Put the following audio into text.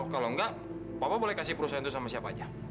kalau enggak papa boleh kasih perusahaan itu sama siapa aja